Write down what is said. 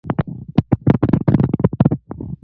او پۀ لمنه يې شيشې پاکې کړې